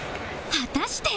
果たして